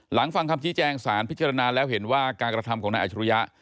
ฟังคำชี้แจงสารพิจารณาแล้วเห็นว่าการกระทำของนายอัจฉริยะ